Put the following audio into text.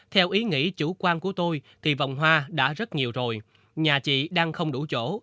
theo ý nghĩ chủ quan của tôi thì vòng hoa đã rất nhiều rồi nhà chị đang không đủ chỗ